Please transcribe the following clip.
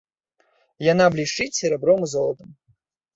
Яна блішчыць серабром і золатам.